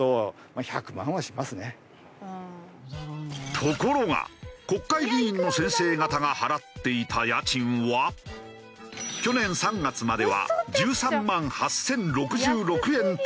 ところが国会議員の先生方が払っていた家賃は去年３月までは１３万８０６６円と格安料金。